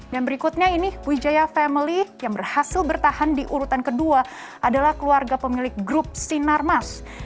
dan berikutnya ini wijaya family yang berhasil bertahan di urutan kedua adalah keluarga pemilik grup sinarmas